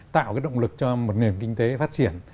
tạo động lực cho một nền kinh tế